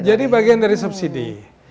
jadi bagian dari subsidi